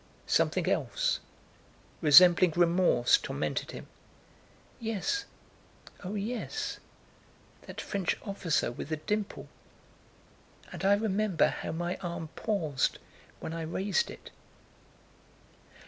Something else, resembling remorse, tormented him. "Yes, oh yes, that French officer with the dimple. And I remember how my arm paused when I raised it."